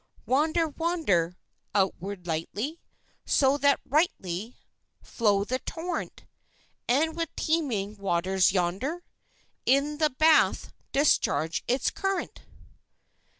"Wander, wander Onward lightly, So that rightly Flow the torrent, And with teeming waters yonder In the bath discharge its current!